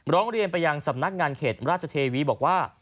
ร้องเรียนไปยังสำนักงานเขตราชเทวีบอกว่า